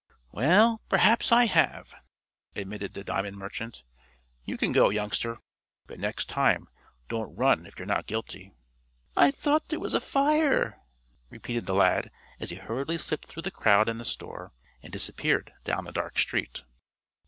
"Well, perhaps I have," admitted the diamond merchant. "You can go, youngster, but next time, don't run if you're not guilty." "I thought there was a fire," repeated the lad, as he hurriedly slipped through the crowd in the store, and disappeared down the dark street.